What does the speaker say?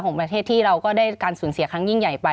ของประเทศที่เราก็ได้การสูญเสียครั้งยิ่งใหญ่ไป